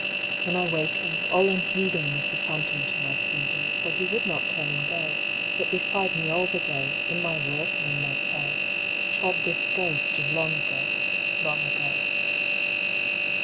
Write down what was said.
When I wakened, all unheeding Was the phantom to my pleading; For he would not turn and go, But beside me all the day, In my work and in my play, Trod this ghost of long ago, long ago.